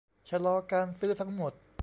ชะลอการซื้อทั้งหมด